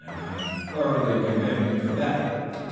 I am thoroughly convinced of that.